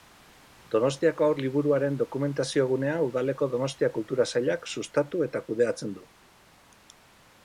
Donostiako Haur Liburuaren Dokumentaziogunea Udaleko Donostia Kultura sailak sustatu eta kudeatzen du.